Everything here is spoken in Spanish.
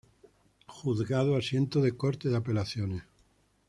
Juzgado asiento de Corte de Apelaciones.